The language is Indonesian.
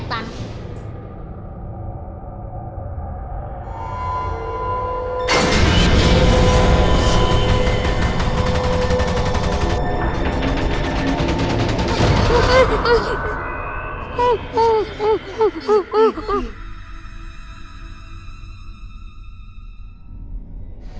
garak garak polong dua juga